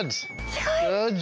すごい！